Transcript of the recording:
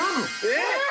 えっ！？